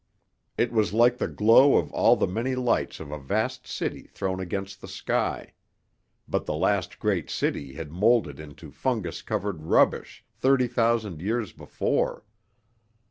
It was like the glow of all the many lights of a vast city thrown against the sky but the last great city had moulded into fungus covered rubbish thirty thousand years before.